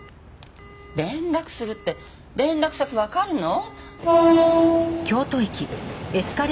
連絡するって連絡先わかるの？